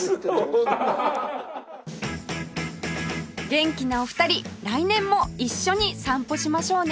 元気なお二人来年も一緒に散歩しましょうね